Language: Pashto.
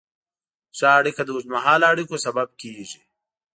ښه اړیکه د اوږدمهاله اړیکو سبب کېږي.